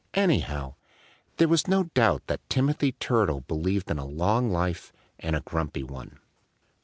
Anyhow, there was no doubt that Timothy Turtle believed in a long life and a grumpy one.